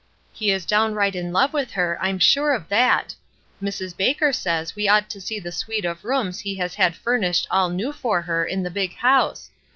"He is downright in love with her, I'm sure of that. Mrs. Baker says we ought to see the suite of rooms he has had furnished aU new for her in the big house.